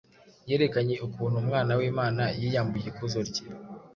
Yerekanye ukuntu Umwana w’Imana yiyambuye ikuzo rye